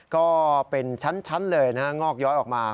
ก็เป็นชั้นเลยนะฮะงอกย้อยออกมา